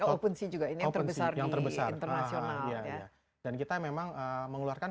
opensea juga ini yang terbesar di internasional dan kita memang mengeluarkan